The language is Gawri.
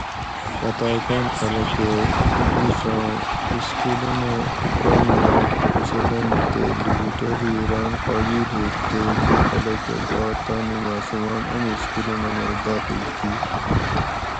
پتائ کون خلقہ لِیڛ اُوں اسکولونہ کامیاب چلنت تے لُکوٹور ای راۤن قابِیل ہوُت تے دی خلکۤہ پا تانی ماۤسوماۤن امی سکولونہۤ مئ داخِیل کِیر